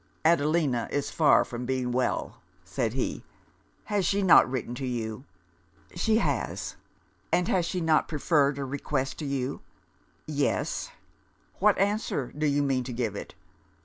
'Adelina is far from being well,' said he. 'Has she not written to you?' 'She has.' 'And has she not preferred a request to you?' 'Yes.' 'What answer do you mean to give it?